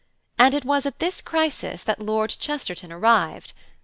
And it was at this crisis that Lord Chesterton arrived.